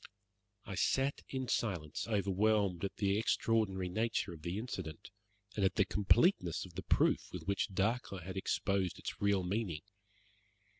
I sat in silence, overwhelmed at the extraordinary nature of the incident, and at the completeness of the proof with which Dacre had exposed its real meaning.